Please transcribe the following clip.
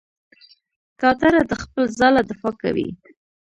کوتره د خپل ځاله دفاع کوي.